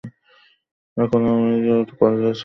এবং যখন আমি কলেজে ছিলাম, তিনি আমেরিকা চলে গেছে।